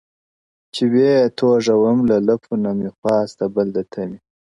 چي وې توږم له لپو نه مي خواست د بل د تمي,